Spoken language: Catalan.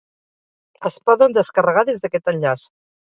Es poden descarregar des d’aquest enllaç.